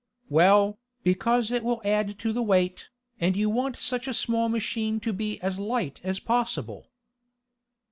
"Well, because it will add to the weight, and you want such a small machine to be as light as possible."